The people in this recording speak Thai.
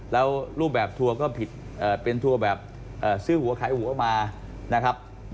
แล้วรูปแบบทัวร์ก็ผิดเป็นทัวร์แบบซื้อหัวขายหัวมานะครับ